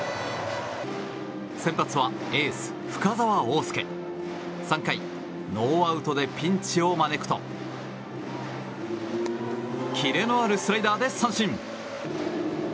先発はエース、深沢鳳介３回、ノーアウトでピンチを招くとキレのあるスライダーで三振。